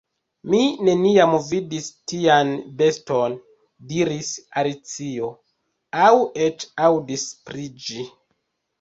"Mi neniam vidis tian beston," diris Alicio, "aŭ eĉ aŭdis pri ĝi."